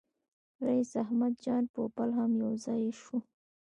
رییس احمد جان پوپل هم یو ځای شو.